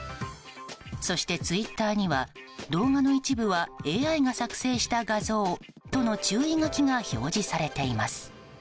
そしてツイッターには動画の一部はＡＩが作成した画像との注意書きが表示されています。